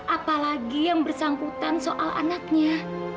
apalagi yang bersangkutan soal anaknya